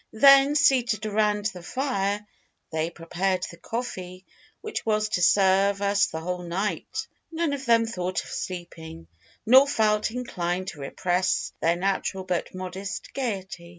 Then, seated around the fire, they prepared the coffee which was to serve us the whole night. None of them thought of sleeping, nor felt inclined to repress their natural but modest gaiety.